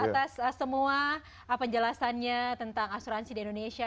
atas semua penjelasannya tentang asuransi di indonesia